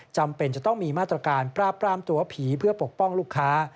จำเป็นจะต้องมีมาตรการปราบปรามตัวผีเพื่อปกป้องลูกค้า